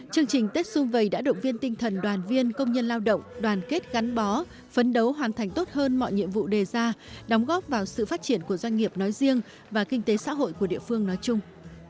chương trình tết xuân vầy đã động viên tinh thần đoàn viên công nhân lao động đoàn kết gắn bó phấn đấu hoàn thành tốt hơn mọi nhiệm vụ đề ra đóng góp vào sự phát triển của doanh nghiệp nói riêng và kinh tế xã hội của địa phương nói chung